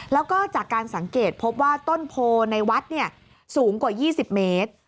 แล้วก็จากการสังเกตพบว่าต้นโพในวัดสูงกว่า๒๐เมตร